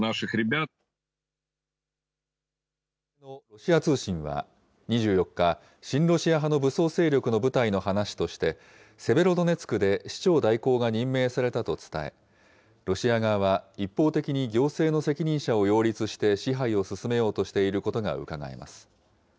ロシア通信は２４日、親ロシア派の武装勢力の部隊の話として、セベロドネツクで市長代行が任命されたと伝え、ロシア側は一方的に行政の責任者を擁立して、支配を進めようとしていることがうかがえます。